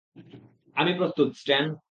আমি প্রস্তুত, স্ট্যান।